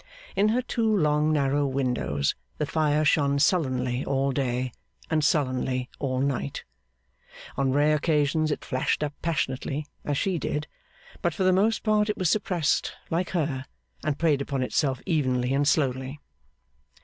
In her two long narrow windows, the fire shone sullenly all day, and sullenly all night. On rare occasions it flashed up passionately, as she did; but for the most part it was suppressed, like her, and preyed upon itself evenly and slowly.